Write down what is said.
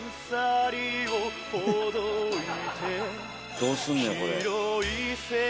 どうすんのよこれ。